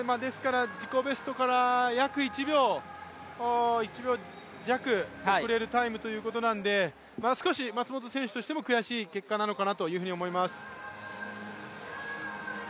自己ベストから約１秒弱遅れるタイムなので少し松元選手としても悔しい結果なのかなと思います。